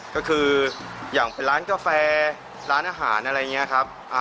ก็คืออย่างเป็นร้านกาแฟร้านอาหารอะไรอย่างนี้ครับ